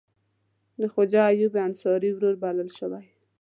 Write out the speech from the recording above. د خواجه ایوب انصاري ورور بلل شوی.